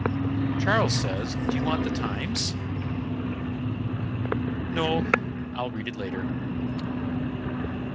"Charles says do you want the TIMES?" "No, I'll read it later."